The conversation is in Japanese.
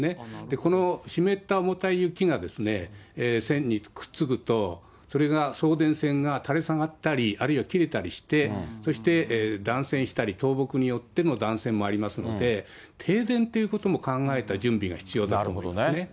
この湿った重たい雪が線にくっつくと、それが送電線が垂れ下がったり、あるいは切れたりして、そして断線したり、倒木によっての断線もありますので、停電っていうことも考えた準備が必要だと思いますね。